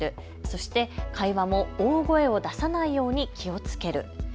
そして会話も大声を出さないように気をつける。